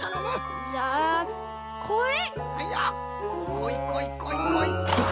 こいこいこいこい。